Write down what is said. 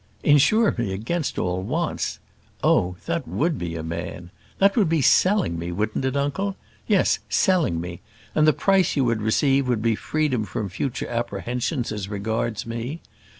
"Insure me against all wants! Oh, that would be a man. That would be selling me, wouldn't it, uncle? Yes, selling me; and the price you would receive would be freedom from future apprehensions as regards me.